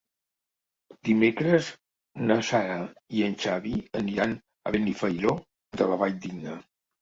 Dimecres na Sara i en Xavi aniran a Benifairó de la Valldigna.